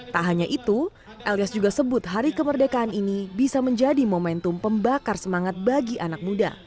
tak hanya itu elias juga sebut hari kemerdekaan ini bisa menjadi momentum pembakar semangat bagi anak muda